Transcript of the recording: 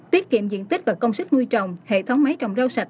tiết kiệm diện tích và công sức nuôi trồng hệ thống máy trồng rau sạch